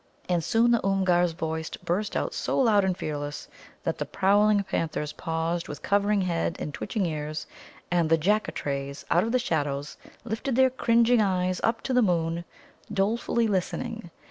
And soon the Oomgar's voice burst out so loud and fearless that the prowling panthers paused with cowering head and twitching ears, and the Jaccatrays out of the shadows lifted their cringing eyes up to the moon, dolefully listening.